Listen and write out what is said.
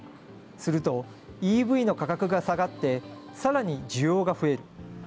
すると、ＥＶの価格が下がって、さらに需要が増える。